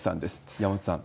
山本さん。